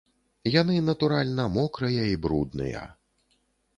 Яны, натуральна, мокрыя і брудныя.